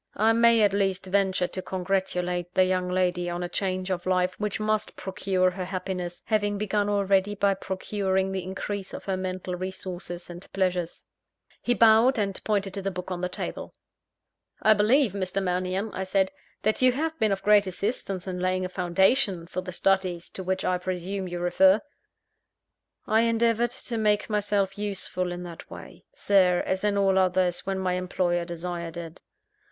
I may at least venture to congratulate the young lady on a change of life which must procure her happiness, having begun already by procuring the increase of her mental resources and pleasures." He bowed, and pointed to the book on the table. "I believe, Mr. Mannion," I said, "that you have been of great assistance in laying a foundation for the studies to which I presume you refer." "I endeavoured to make myself useful in that way, Sir, as in all others, when my employer desired it."